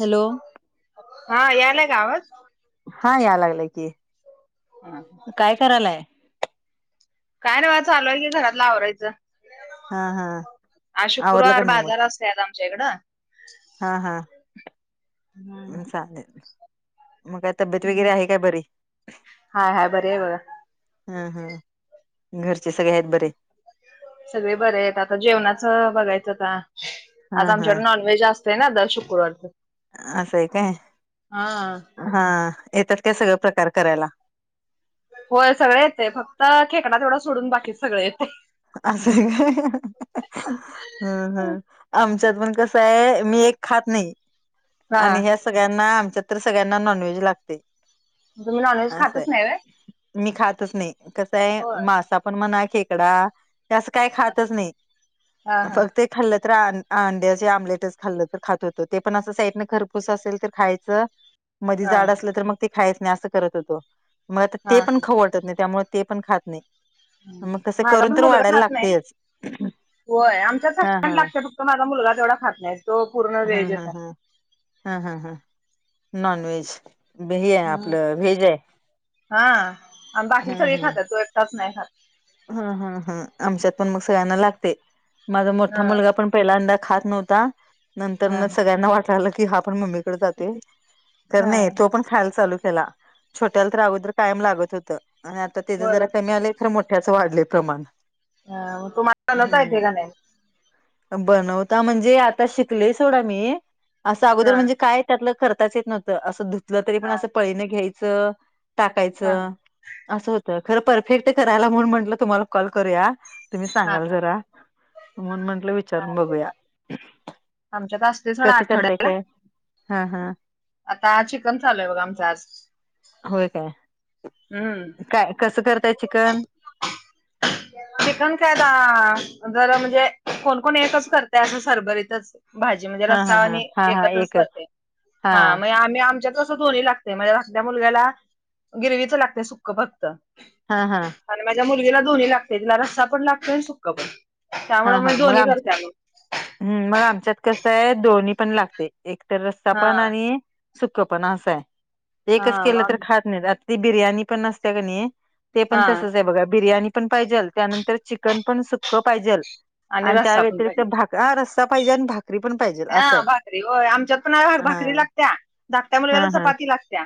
Hello. हा यायलाय का आवाज. हा यायला लागलाय की. [inaudible] काय करायलाय. काय नाही वा चालूय की घरातल आवरायचं. हा हा आज आवरलं का शुक्रवार नाही मग बाजार असत आमच्या इकडं. हा हा. ह [inaudible] चाले मग तब्येत वगैरे आहे काय बरी? हाय हाय बरे आहे बघा हा हा घरचे सगळे आहेत बरे. सगळे बरे आहेत आता जेवणाच बघायचं का हा आज हा आमच्याकडे नॉनव्हेज असत. ते ना द शुक्रवारच. असंय काय हा हा येतात काय सगळ प्रकार करायला. होय सगळे येते फक्त खेकडा तेवढा सोडून बाकी सगळे येतय. असंय व्हयय. हम हम आमच्यात पण कसं आहे मी एक खात नाही. हा आणि ह्या सगळ्यांना आमच्या तरी सगळ्यांना नॉनव्हेज लागते. तुम्ही नॉनव्हेज खातच असय नाही व्हय मी खातच नाही कसं आहे होय मासा पण मकडा असं काही खातच नाही हा हा फक्त. खाल्लं तर अंड्या आमलेटच खाल्लं तर खात होतं ते पण असं साईडन खरपूस असेल तर खायचं. मध हा जाड असलं तर मग ते खायच नाही असं करत होतो मग आता ते हा पण खवडटत नाही त्यामुळे. ते पण खात नाही. मग हम् कसं करून माझताण. तर वाढायला लागतेच. होय हा आमच्याड हा लागत फक्त माझा मुलगा तेवढा खात नाही तो पूर्ण हा हा व्याजेचा. हा हा हा हा नॉन वहेज. भि आहे हम्म. आपलं भिज आहे हा आणि बाकी हम् सगळे हम्. खातात तो एक तच नाही हात. हा हा हा आमच्यात पण मग सगळ्यांना लागते माझा मोठा हा मुलगा पण. पहिल्यांदा खात नव्हता नंतर हा न सगळ्यांना वाटलं की हा पण मम्मी. हा नाही तो पण. खाल चालू केला छोट्याला तर अगोदर कायम लागत होत आणि आता त्याच होय जरा मग कमी आलं खर मोठ. त्याच वाढले प्रमाण हा, मग तुम्हाला बनवता येते हम्म. का नाही बनवता म्हणजे आता शिकले ोडा मी असं अगोदर हा म्हणजे काय. त्यातलं खर्ताच येत नव्हतं असं धुतलं तरी पण हा असं पळीने घ्यायचं हा टाकायचं. असं होतं खरं परफेक्ट करायला म्हणून म्हंटलं तुम्हाला कॉल करूया. तुम्ही हा सांगाल हा जरा. मन म्हंटलं विचारून चालते बघूया चालते आमच्यात असते सोडा कसं करतय आठवड्याला काय. हा हा. आता आज शिकम चालूय बघा आमचा आज. होय काय हम्म काय कसं करताय चिकन. चिकन काय द जरा म्हणजे कोणकोण एकच करते असं सरबरीतच. भाजी म्हणजे हा रस्सा हा हा. आणि हा हा एकत्रच एकच. करते हा म्हग आम्ही आमच्या. तसं दोन्ही लागत म्हणजे आपल्या मुलग्याला गिरवीच लागते सुक्ख फक्त. हा हा. आणि माझ्या मुलगीला दोन्ही लागते तिला रस्सा पण लागतोय आणि सुक्कं पण त्यामु मग दोन्ही करते म. हम् मग आमच्यात कसं आहे दोन्ही पण लागते एक तर रस्ता हा पण आणि. सुख पण असंय हा एकच मग केलं आम तर खात नाही आता ती बिर्याणी पण नसते काणी. ते पण हा तसच आहे बघा बिर्याणी पण पाहिजेल त्यानंतर चिकन पण सुखं पाहिजेल. आणि त्या रस्सा पण व्यतिरिक्त पाहिजे भाक हा रस्ता पाहिजे आणि भाकरी पण पाहिजे. हा भाकरी होय आमच्यात पण भाकरी हा. लागत्या धाकट्या हा मुलग्याला हा. चपाती लागत्या.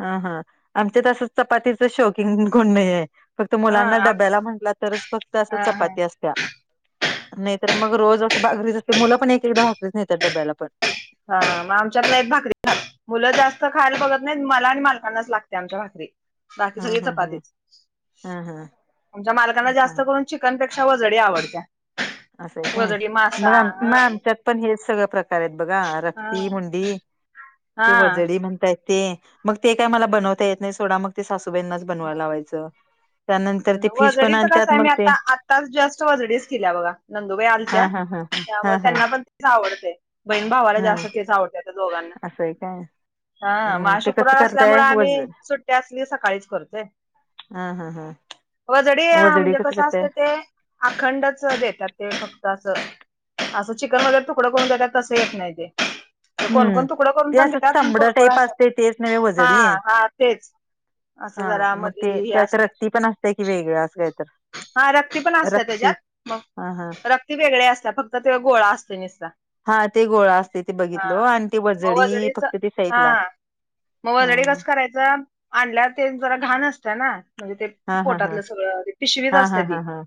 हा हा आमच्या तसं चपातीच शौकिन गुण नाही आहे. फक्त हा मुलांना आम डब्याला म्हटला तरच फक्त अस हा हा चपाती असत्या नाही तरर मग रोज. बागरीच असते मुलं पण एकदा भाकरीच यतात डब्याला पण. हा मग आमच्यातला एक भाकरी ख. मुलं जास्त खायला बघत नाही मला आणि मालकांनाच लागते आमच्या भाकरी. बाकी हा सगळे हा चपाती हा. हा हा आमच्या मालकांना जास्त हा करून. चिकनपेक्षा व वजडी आवडत्या. असं काय वजडी मासा मग मग हा आमच्या. पण हे सगळ प्रकार आहेत बघा हा रक्ती मुंडी हा ते वजडी. म्हणताय ते मग ते काय मला बनवता येत नाही सोडा मग ते सासूबाईंनाच बनवायला लावायच. वजडीच कस आहे मी आता आत्ताच जस्ट वजडीच केल्या बघा. हा नंदुबाईआलत्या हा हा हा हा त्यामुळे हा. त्यांना पण तेच आवडते. बहीण भावाला हा जास्त तेच आवडते आता दोघांना. असं आहे काय. हा मग हम्म आज ते कसं शुक्रवार करताय असल्यामुळे वज आम्ही सुट्टी असली सकाळीच करतोय. हा हा हा. वजडी म्हणजे कसं असते ते अखंडच देतात ते फक्त असं. असं चिकन वैगेरे तुकडं करून देतात तसं येत नाही ते हम्म कोणकोण तुकडं करून ते पण असं देतात पण चांबड कोणकण टाईप असा असते तेच नव्हे हा वजडी हा तेच असं जरा मध हे असते वेगळे असं काय तर हा रक्ती पण असत रक्ती त्याच्यात हा हा मग रक्ती वेगळे्या असत फक्त ते गोळा असते नुसता हा ते गोळा असते ते बघितलो आणि ते मग वजडी वजडीच फक्त ते हा साईटला मग वजडी कसं करायचं आणल्या ते जरा घाण असतं ना म्हणजे ते हा हा हा पोटातलं सगळं हा हा हा हा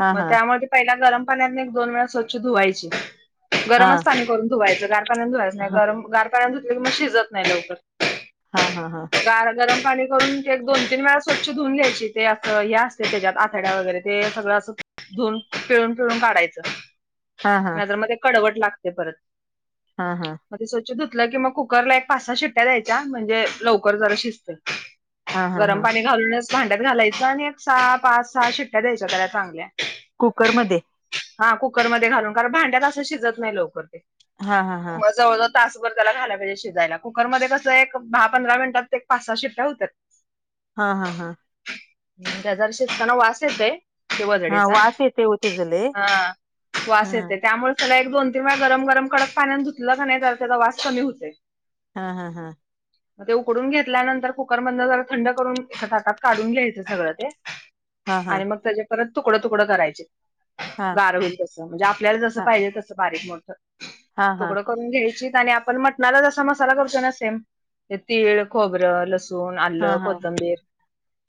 हा मग हा त्या पहिला गरम पाण्यानी दोन वेळा स्वच्छ करून धुवायची हा गरमच पाणी करून धुवायची गार हा गार पाण्यानी धुतले तर मग शिजत नाही लवकर हा हा हा गरम पाणी करून ते एक दोन तीन वेळा स्वच्छ धुवून घ्यायचे ते असत त्याच्यात आथड्या वगैरे ते सगळं असं धुन पिळून पिळून काढायचं हा नाहीतर मग ते कडवट लागते परत हा हा मग ते स्वच्छ धुतलं की मग कुकरला एक पाच सहा शिट्ट्या द्यायच्या म्हणजे लवकर जरा शिजत हा हा गरम हा पाणी घालूनच भांड्यात घालायचं आणि एक सहा पाच सहा शिट्ट्या द्यायच्या त्याला चांगल्या कुकरमध्ये हा कुकरमध्ये घालून कारणभांड्यात असं शिजत नाही लवकर ते हा हा हा म जवळ तासभर त्याला घायला पाहिजे शिजायला कुकरमध्येध्ये कसं एक दहा पंधरा मिनिटात ते एक पाच सहा शिट्ट्या होतात हा हा हा त्याजार शेतकना वास येतय हा वाजडीचा वास येते हो तेज लय हा वास येते त्यामुळे त्याला एक दोन तीन वेळा गरम गरम कडक पाण्यात धुतलं का नाही तर त्याचा वास कमी होते हा हा हा मग ते उकडून घेतल्यानंतर कुकर मधन जरा थंड करून एक ताटात काढून घ्यायचं सगळं ते हा हा आणि मग त्याच्या परत तुकडं तुकडं करायचे हा गार होईल म्हणजे आपल्याला जस हा पाहिजे तसं बारीक मोठ हा तुकड घ्याच आणि आपण मटणाला कस मसाला करतो सेम ते तिळ, खोबरे, लसूण, आल्लं, हा हा कोथंबीर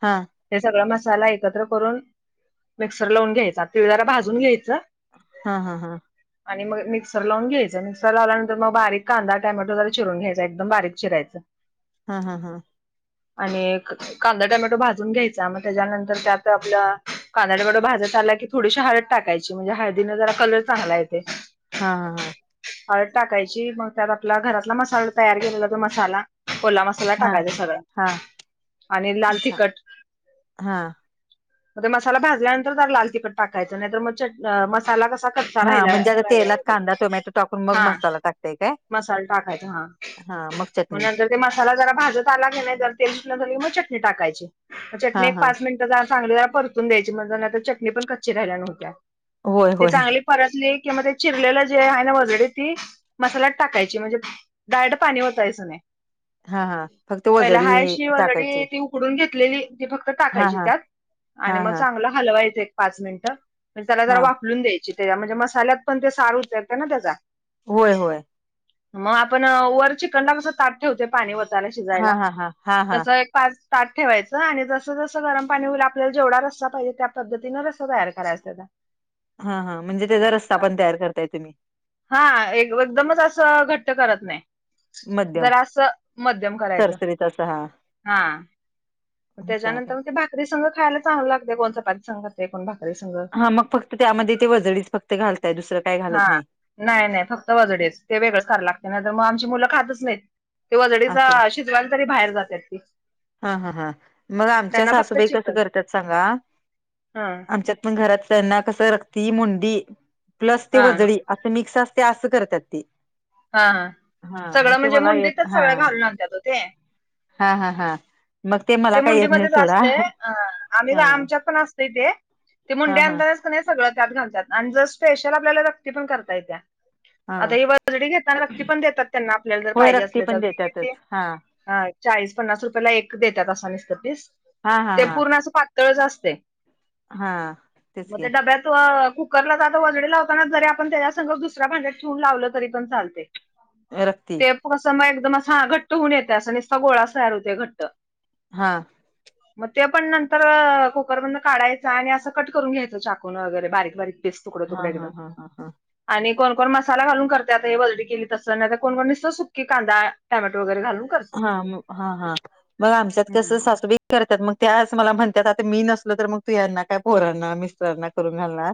हा हे सगळा मसाला एकत्र करून मिक्सर लावून घ्यायचा तिळ जरा भाजून घ्यायचं हा हा हा आणि मग मिक्सर लावून घ्यायचं मिक्सर लावल्यानंतर मग बारीक कांदा टोमॅटो चिरून घ्यायचा एकदम बारीक चिरायचं हा हा हा आणि एक कांदा टमॅटो भाजायच घ्यायच मग त्याच्यानंतर त्यात आपल कांदड्याकड भाजत आला की थोडीशी हळद टाकायची म्हणजे हळदीने जरा कलर चांगला येतोय हा हा हा हळद टाकायची मग त्यात आपला घरातला मसाला तयार केलेला तो मसाला ओला मसाला मसाला हा टाकायचं हा सगळं आणि लाल तिखट हा मग मसाला भाजल्यानंतर जर लाल तिखट टाकायचं नाही तर मग चट मसाला कसा कच्चा हा राहिला म्हणजे आता राहिला तेलात होता ते. कांदा टोमॅटो टाकून मग हा मसाला टाकताय काय मसाला टाकायचा हा हा मग चटणी नतर मसाला जरा भाजत आला कनी जरा तेल सुटल कनी मग चटणी टाकायची चटणी हा एक हा पाच मिनिट चग परतून द्यायची म्हण चटणी पण कच्ची राहिल्या नव्हत्या होय ते होय चांगली परतली किं मग ते चिरलेलं जे आहे ना वजडी ती मसाल्यात टाकायची म्हणजे डायरेक्ट पाणी वतायच नाही हा हा फक्त पहिला वजळी हायशी टाकायची वजडी ती उकडून घेत कापलेली ती फक्त हा टाकायची हा त्यात आणि हा मग हा चांगलं हलवायचं एक पाच मिनट म्हणजे त्याला हा जरा वाफलून द्यायची त्याच्या म्हणजे मसाल्यात पण ते सार उतरतय ना त्याचा होय होय मग आपण वर चिकन ला कस ताट ठेवते पाणी वतायला हा शिजायला हा हा हा हा तस एक पाच पा ठेवायचं आणि जसं जसं गरम पाणी होईल आपल्याला जेवढा रस्सा पाहिजे त्या पद्धतीनं रस्सा तयार करायचा तेजा हा हा म्हणजे त्याचा रस्ता पण तयार करताय तुम्ही हा एक एकदमच असं घट्ट करत नाही मध्यम जरा असं मध्यम करायचं सरसरीत असा हा हा मग त्याच्यानंतर चालेल मग ते भाकरी संघ खायला चांगल लागतय कोण चपाती संघ खातय कोण भाकरी संघ हा मग फक्त त्यामध्ये ते वजडीच फक्त घालताय दुसरं काय हा घालत नाही नाही नाही फक्त वजडीच ते वेगळंच करायला लागतय नाही तर मग आमची मुलं खातच नाहीत तेि वजडीचा असं शिजवाल तरी बाहेर जातात ती हा हा हा मग आमच्या त्यांना फक्त सासूबाई कसं चिकन करतात सांगा हा आमच्या मग घरात त्यांना कसं रक्ती मुंडी प्लस ती हा वजडी असं मिक्स असते असं करतात ते हा हा हा मग सगळं ते म्हणजे मला येत मुंडीतच हा सगळं घालुन आणत्यात वो ते हा हा हा मग मला ते काही येत नाही मुंडीमध्येध्येच सोडा असतय अ आम्ही हा आमच्यात पण असतय ते ते हा मुंड्या हा आणताणाच कनी सगळं त्यात घालतात आणि जर स्पेशल आपल्याला रक्ती पण करता येत्या हा आता ही वजडी घेतना रक्ती पण देतात त्यांना आपल्याला जर होय पाहिजे रक्ती असले तर पण ते देतातच किती हा हा चाळीस पन्नास रुपयाला एक देतात असं नुसतं पीस हा हा ते हा पूर्ण असं पातळच असतय हा तेच कि कुकरलाच आता वजडी लावताना जरी आपण त्याच्यासग दुसऱ्या भांड्यात ठेवून लावलं तरी पण चालतंय रक्ती स मग एकदम हा घट्ट होऊन येतय अस निसता गोळाच तयार होतर घट्ट हा मग ते पण नंतर कुकर मधन काढायचं आणि असं कट करून घ्यायचं चाकून वगैरे बारीक बारीक तुकडे हा तुकडे एकदम हा हा हा हा आणि कोण कोण मसाला घालून करत आता ते वजडी केली तस कोण कोण नुसत सुकी कांदा टोमॅटो वगैरे घालून करते हा हा हा मग आमच्यात कस हम्म सासूबाई करतात मग त्याच मला म्हणतात आता मी नसलो तर मग तू यांना काय पोरांना मिस्टरांना करून घालणार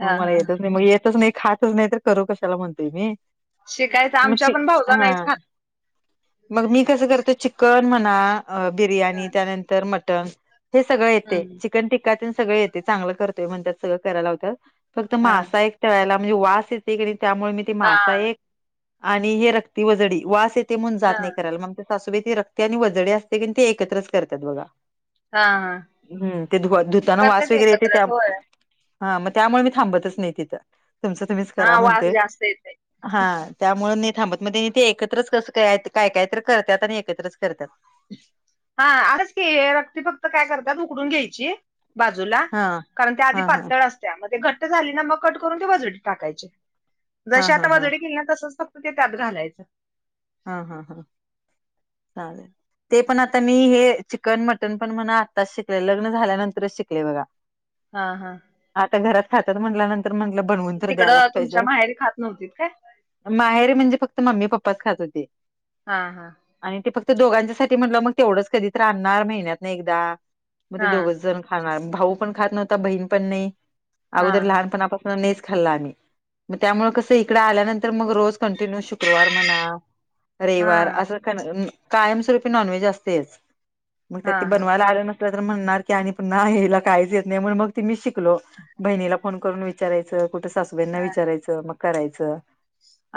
मग हा मला हा येतच नाही मग येतच नाही खातच नाही तर करू कशाला म्हणते मी शिकायचं मग आमच्या पण चीक भाऊजा हा नाहीत खात मग मी कसं करते चिकन म्हणा हा बिर्याणी त्यानंतर मटण हे सगळं येतय हम्म चिकन टिक्कातेन सगळं येतय चांगलं करतोय म्हणतात सगळं करायलावत्यात फक्त हा मासा एक तळायला म्हणजे वास येतय कनी त्यामुळे मी ते हा मासा एक आणि हे रक्ती वजडी वास येते म्हून जात हा नाही. मग ते सासूबे त रक्ते आणि वजडी असते कि ते एकत्रच करतात बघा हा हा हम्म ते धु धुताना वास करतेच वगैरे येते त्या एकत्रच होय हा मग त्यामुळे मी थांबतच नाही तिथं तुमचं तुम्हीच हा करा वास म्हणते जास्त येते हा त्यामुळे म थांबत म ते एकत्रच कस काय काय कायत करतात आणि एकत्रच करतात हा आच क रक्ती फक्त काय करतात उकडून घ्यायची. बाजूला हा कारण त्या आधी हा हा पातळ असत त्या घट्ट झाली ना मग कट करून ते वजडी टाकायचे हा जसे हा आता हा वजडी गेली ना तसचक्त. त ते त्यात घालायचं हा हा हा चालेल. ते पण आता मी हे चिकन मटण पण म्हणा आत्ताच शिकले लग्न झाल्यानंतरच शिकले बघा. [unintelligible] हा हा. आता घरात खातात म्हटल्यानंतर म्हंटलं बनवून तर द्यायलाच तिकडं तुमच्या पाहिजेल. माहेरी खात नव्हतीत काय माहेरीे म्हणजे फक्त मम्मी पप्पाच खात होते हा हा आणि ते फक्त दोघांच्या सा म्हटलं मग तेवढंच कधीच राणार महिन्यात नाही एकदा मग ते हा दोघच जण खाणार भाऊ पण खात नव्हता बहीण पण नाही हा अगोदर हा लहान पण आपण. नेच खाल्ला आम्ही मग त्यामुळे कसं इकड आल्यानंतर मग रोज कंटिन्यू शुक्रवार म्हणा. रेवार हा असं कायमस्वरूपी नॉनव्हेज असतेच मग त्या हा ते हा बनवायला आलं नसत. म्हणणार की आणि प याला काहीच येत नाही म्हण मग ती मी शिकलो बहिणीला फोन करूनच. विचारयचं कुठं सासूबाईंना विचारायचं मग करायचं.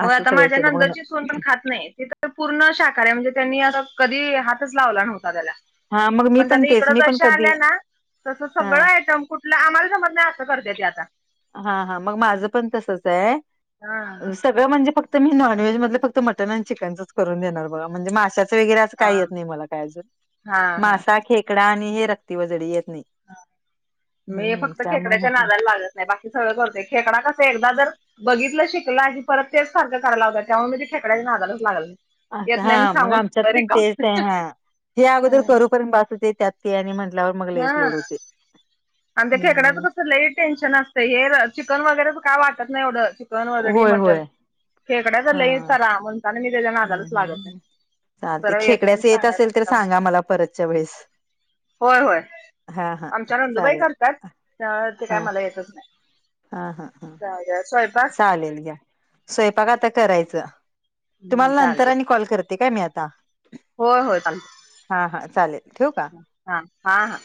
हो असं आता सगळं माझ्या केलं नंतरची सून मग पण खात नाही तिथ. तर पूर्ण शाका्या म्हणजे त्यांनी आता कधी हातच लावला नव्हता त्याला हा मग मी पण त्याता तेच मी पण इकडचशा कधी आल्या ना तस हा सगळं आयटम कुठ आम्हाला समज नाही असं करते तेी आता हा हा मग माझं पण तसच आहे हा. सगळं म्हणजे फक् म नॉव्हेज मध फक् मट आणि चिकनच करून देणार बघ म्हणजे माश्या. वगरच हा काही येत नाही मला काय अजून हा हा मासा खेकडा आणि हे रक्ती वजळी येत नाही. मी हम्म फक्त त्यामुळे खेकड्याच्या म्हटलं नादाला लागत नाही बाकी सगळं करते खेकडा कस एकदा जर. बघितलं शिकलं की परत तेच सारखं कराय ला होत त्यामुळे मी ते फेकड्या नागालाच लागल. अस येत नाही म्हणून हा मग सांगून आमच्यात सुद्धा पण रिकाम तेच आहे हा जे अगोदर हम्म. करूपर्यंत बसत ते त्यात. सियानी म्हंटल्यावर मग लेस लोड होते. आम त्या हम्म खेकड्याचं कसं ल टेन्शन असतं हे चिकन वगैरेच काय वाटत नाहीवढं. न वदडी होय होय मटन खेकड्याच हा ल सरा म्हणताना मी त्याच्या नागालाच लागत आहे. चाल ते खेकड्याच येत असेल तर सांगा मला परतच्या वेळेस. होय होय हा हा आमच्या नंदुबाई चालेल करतात ते हा काय मला येतच नाही. हा हा हा स्वयंपाक चालेल घ्या. स्वयंपाक आता करायचं हम्म तुम्हाला नंतर चालते आणि कॉल करते काय मी आता. होय होय चालते हा हा चालेल ठेव का. हा हा हा.